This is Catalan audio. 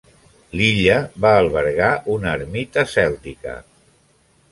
L'illa va albergar una ermita cèltica.